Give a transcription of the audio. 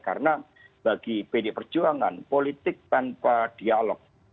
karena bagi pdi perjuangan politik tanpa dialog